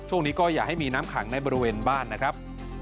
ช่วงนี้ก็อย่าให้มีน้ำขังในบริเวณบ้านนะครับ